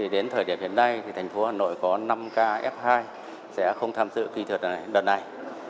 đến thời điểm hiện nay thành phố hà nội có năm ca f hai sẽ không tham dự kỹ thuật đợt này